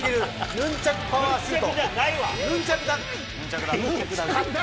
ヌンチャクパワーシュート。